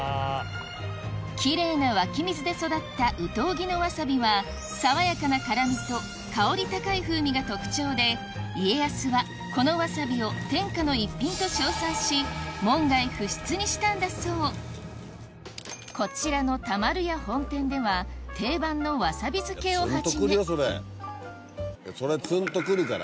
きれいな湧き水で育った有東木のわさびはが特徴で家康はこのわさびを天下の逸品と称賛し門外不出にしたんだそうこちらの田丸屋本店では定番のわさび漬をはじめそれツンとくるから。